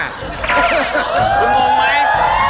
คุณงงไหม